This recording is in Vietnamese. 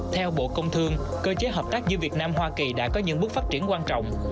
theo bộ công thương cơ chế hợp tác giữa việt nam hoa kỳ đã có những bước phát triển quan trọng